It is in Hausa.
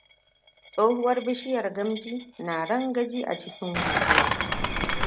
Tsohuwar bishiyar gamji na rangaji a cikin guguwa